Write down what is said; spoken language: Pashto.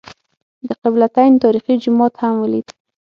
د قبله تین تاریخي جومات هم ولېد.